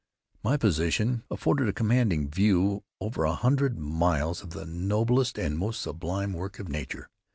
My position afforded a commanding view over a hundred miles of the noblest and most sublime work of nature.